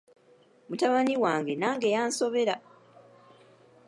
Mutabani wange nange yansobera.